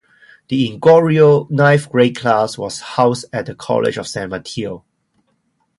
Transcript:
The inaugural ninth grade class was housed at the College of San Mateo.